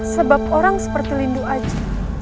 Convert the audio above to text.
sebab orang seperti lindo aji